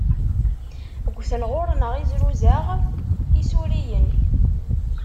Ggten ɣur-neɣ yizruzaɣ isuriyen.